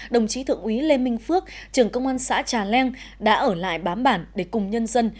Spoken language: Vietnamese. đồng chí thượng úy lê minh phước trưởng công an xã trà leng đã ở lại bám bản để cùng nhân dân